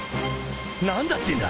何だってんだ！